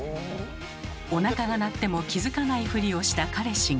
おなかが鳴っても気付かないふりをした彼氏が。